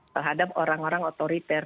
terhadap orang orang otoriter